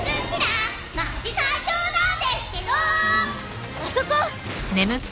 あそこ！